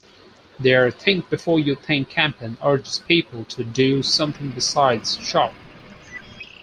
Their "Think Before You Pink" campaign urges people to "do something besides shop.